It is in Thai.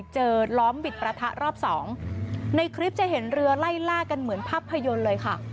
ล้อมบิดประทะรอบสองในคลิปจะเห็นเรือไล่ล่ากันเหมือนภาพยนตร์เลยค่ะ